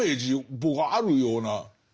僕はあるような。